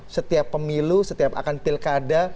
setiap pemilu setiap akan pilkada